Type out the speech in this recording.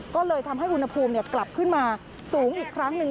ก็เลยทำให้อุณหภูมิกลับขึ้นมาสูงอีกครั้งหนึ่ง